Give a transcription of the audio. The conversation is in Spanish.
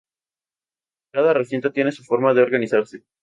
Cada recinto tiene su forma de organizarse.